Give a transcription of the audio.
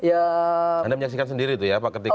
anda menyaksikan sendiri itu ya pak ketika